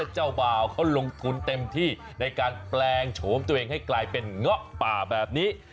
เจ้าบ่าวเขาลงทุนเต็มที่ในการแปลงโฉมตัวเองให้กลายเป็นเงาะป่าแบบนี้